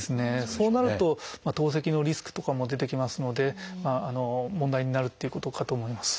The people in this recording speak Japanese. そうなると透析のリスクとかも出てきますので問題になるっていうことかと思います。